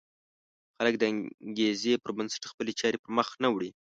خلک د انګېزې پر بنسټ خپلې چارې پر مخ نه وړي.